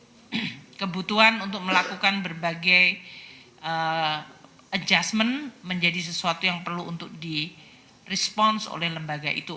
jadi kebutuhan untuk melakukan berbagai adjustment menjadi sesuatu yang perlu untuk di response oleh lembaga itu